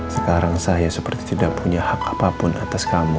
sekarang saya seperti tidak punya hak apapun atas kamu